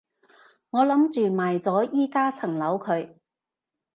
我諗住賣咗依加層樓佢